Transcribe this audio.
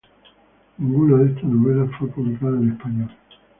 Ninguna de estas novelas fue publicada en español.